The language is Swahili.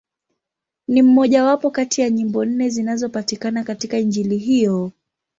Ni mmojawapo kati ya nyimbo nne zinazopatikana katika Injili hiyo.